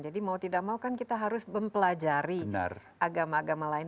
jadi mau tidak mau kan kita harus mempelajari agama agama lain